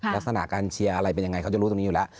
ลักษณะการเชียร์อะไรเป็นยังไงเขาจะรู้ตรงนี้อยู่แล้ว